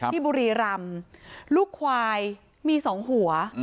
บุรีรำลูกควายมี๒หัว